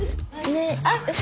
えっ？